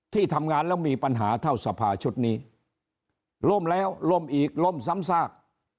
ที่ทำงานแล้วมีปัญหาเท่าสภาชุดนี้ล่มแล้วล่มอีกล่มซ้ำซาก